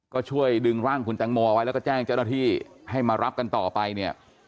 ก็ช่วยดึงร่างคุณแตงโมเอาไว้แล้วก็แจ้งเจ้าหน้าที่ให้มารับกันต่อไปเนี่ย